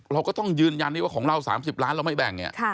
เราก็ต้องยืนยันว่าของเรา๓๐ล้านเราไม่แบ่งเนี่ย